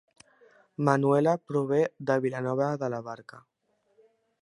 Manuela prové de Vilanova de la Barca